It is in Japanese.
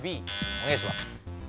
おねがいします。